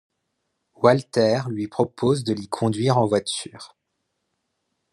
Walter lui propose de l’y conduire en voiture…